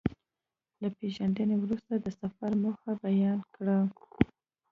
له پېژندنې وروسته د سفر موخه بيان کړه.